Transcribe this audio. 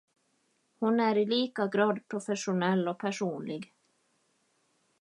Hon är i lika grad professionell och personlig.